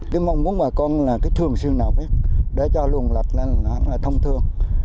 tôi mong muốn bà con là cái thường xương nào để cho luồng lật lên là thông thương